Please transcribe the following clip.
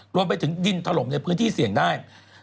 รวมไปถึงดินถล่มในพื้นที่เสี่ยงได้